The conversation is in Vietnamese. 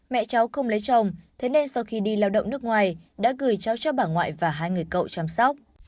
mẹ cháu không lấy chồng thế nên sau khi đi lao động nước ngoài đã gửi cháu cho bà ngoại và hai người cậu chăm sóc